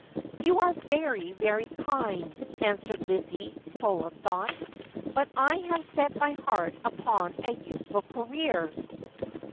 ' You are very, very kind,' answered Lizzie, full of thought, 'but I have set my heart upon a useful career.'